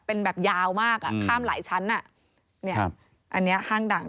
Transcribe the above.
เป็นแบบยาวมากอ่ะข้ามหลายชั้นอ่ะเนี่ยอันนี้ห้างดัง